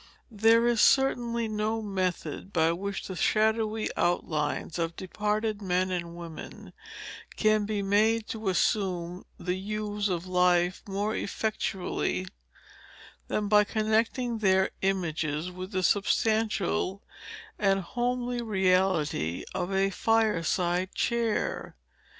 There is certainly no method, by which the shadowy outlines of departed men and women can he made to assume the hues of life more effectually, than by connecting their images with the substantial and homely reality of a fireside chair.